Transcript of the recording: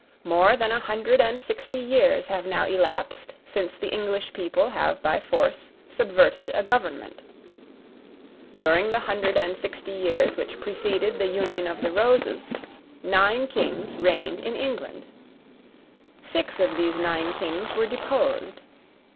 More than a hundred and sixty years have now elapsed since the English people have by force subverted a government. During the hundred and sixty years which preceded the union of the Roses, nine Kings reigned in England. Six of these nine Kings were deposed.